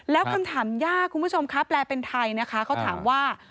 แล้วคำถามยากคุณผู้ชมคะแปลเป็นไทยนะคะเขาถามว่า